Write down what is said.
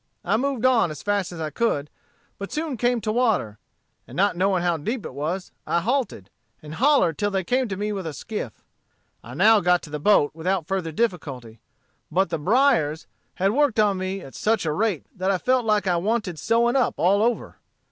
I moved on as fast as I could, but soon came to water; and not knowing how deep it was, I halted, and hollered till they came to me with a skiff. I now got to the boat without further difficulty. But the briers had worked on me at such a rate that I felt like I wanted sewing up all over.